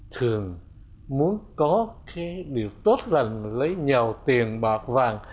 thường muốn có cái điều tốt lành lấy nhau tiền bạc vàng